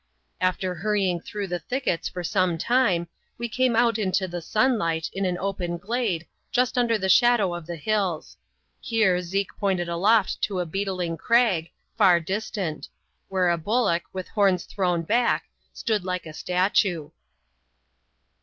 After hurrying through the thickets for some time, we came out into the sunlight, in an open glade, just under the shadow of the hills. Here, Zeke pointed aloft to a beetling crag, far distant ; where a bullock, with horns thrown back, stood like a statue.